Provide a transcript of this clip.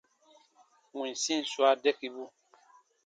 Winsi swa dakibu.